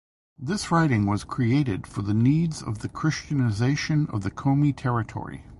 This writing was created for the needs of the Christianization of the Komi Territory.